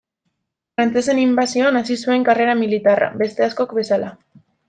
Frantsesen inbasioan hasi zuen karrera militarra, beste askok bezala.